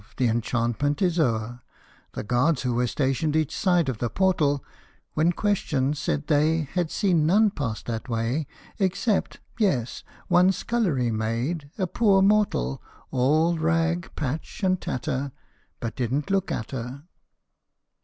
The enchantment is o'er ! The guards who were stationed each side of the portal, When questioned, said they Had seen none pass that way Except yes ! one scullery maid, a poor mortal, All rag, patch, and tatter, but didn't look at her.